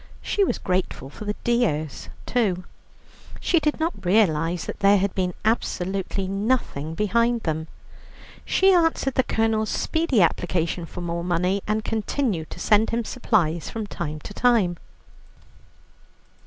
She was grateful for the "dears" too. She did not realize that there had been absolutely nothing behind them. She answered the Colonel's speedy application for more money, and continued to send him supplies from time to time.